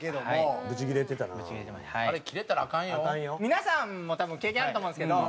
皆さんも多分経験あると思うんですけど。